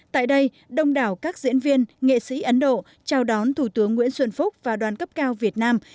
tại đây đông đảo các diễn viên nghệ sĩ ấn độ chào đón thủ tướng nguyễn xuân phúc và đoàn cấp cao việt nam